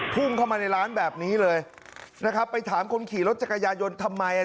พุ่งเข้ามาในร้านแบบนี้เลยนะครับไปถามคนขี่รถจักรยายนทำไมอ่ะ